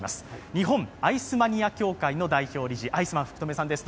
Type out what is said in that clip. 日本アイスマニア協会の代表理事、アイスマン福留さんです